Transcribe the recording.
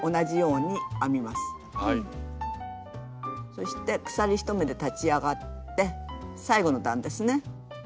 そして鎖１目で立ち上がって最後の段ですね